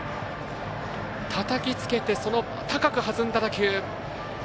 たたきつけて、高く弾んだ打球。